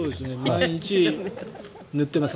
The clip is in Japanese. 毎日塗っています。